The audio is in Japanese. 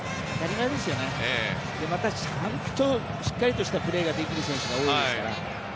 また、ちゃんとしっかりしたプレーができる選手が多いですから。